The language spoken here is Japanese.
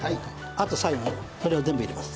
あと最後ねそれを全部入れます。